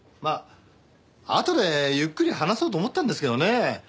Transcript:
まああとでゆっくり話そうと思ったんですけどね